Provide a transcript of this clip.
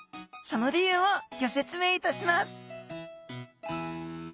その理由をギョ説明いたします